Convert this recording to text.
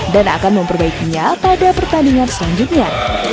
akan memperbaikinya pada pertandingan selanjutnya